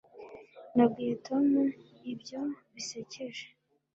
nabwiye tom ibyo bisekeje